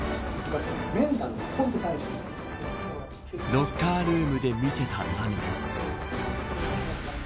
ロッカールームで見せた涙。